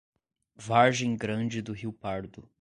Vargem Grande do Rio Pardo